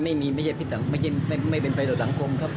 ไม่มีไม่ไม่มีไม่ไม่ใช่ผิดไม่เป็นรูปสังคมครับ